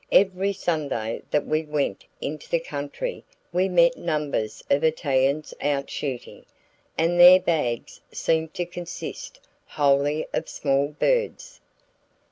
Every Sunday that we went into the country we met numbers of Italians out shooting, and their bags seemed to consist wholly of small birds.